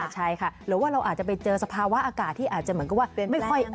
ใช่ค่ะหรือว่าเราอาจจะไปเจอสภาวะอากาศที่อาจจะเหมือนกับว่าไม่ค่อย